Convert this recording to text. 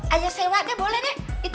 hanya sewa deh boleh deh